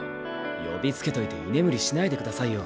呼びつけといて居眠りしないでくださいよ。